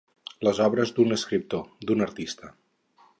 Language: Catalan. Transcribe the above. Les obres d'un escriptor, d'un artista.